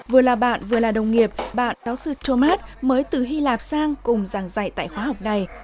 vừa là bạn vừa là đồng nghiệp bạn giáo sư thomas mới từ hy lạp sang cùng giảng dạy tại khóa học này